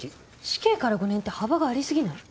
死刑から５年って幅があり過ぎない？